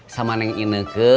sama yang ini ke